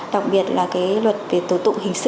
đặc biệt là cái luật về tổ tụng hình sự